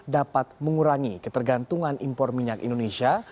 dapat mengurangi ketergantungan impor minyak indonesia